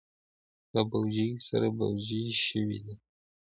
له بوجیو سره بوجۍ شوي دي.